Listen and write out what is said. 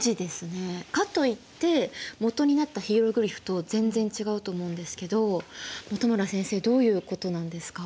かといって基になったヒエログリフと全然違うと思うんですけど本村先生どういうことなんですか？